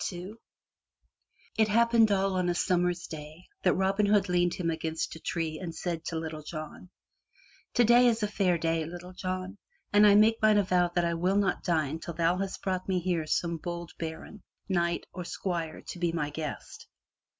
HI It happened all on a Summer's day that Robin Hood leaned him against a tree and said to Little John: "Today is a fair day, Little John, and I make mine avow that I will not dine till thou hast brought me here some bold baron, knight or squire to be my guest.